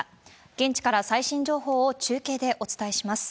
現地から最新情報を中継でお伝えします。